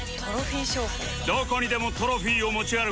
どこにでもトロフィーを持ち歩く